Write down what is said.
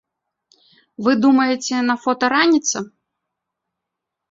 Вы думаеце, на фота раніца?